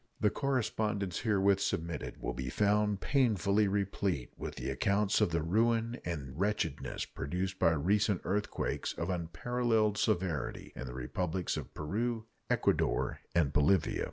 The correspondence herewith submitted will be found painfully replete with accounts of the ruin and wretchedness produced by recent earthquakes, of unparalleled severity, in the Republics of Peru, Ecuador, and Bolivia.